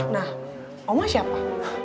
nah oma siapa